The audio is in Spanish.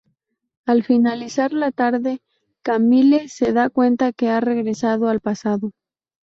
Al finalizar la tarde, Camille se da cuenta que ha regresado al pasado.